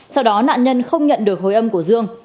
sau đó nạn nhân không nhận được hồi âm của dương